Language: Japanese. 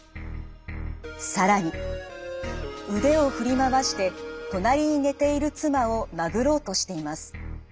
更に腕を振り回して隣に寝ている妻を殴ろうとしています。